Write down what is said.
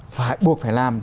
phải buộc phải làm